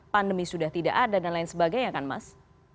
pandemi sudah tidak ada dan lain sebagainya kan mas